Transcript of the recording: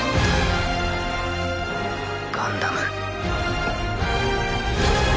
ガンダム。